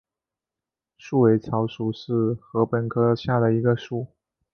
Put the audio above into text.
束尾草属是禾本科下的一个属。